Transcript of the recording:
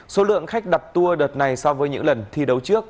số lượng khách đập tour đợt này so với những lần thi đấu trận